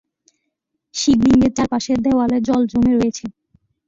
শিব লিঙ্গের চার পাশের দেওয়ালে জল জমে রয়েছে।